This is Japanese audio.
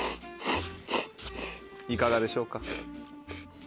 いかがでしょうか。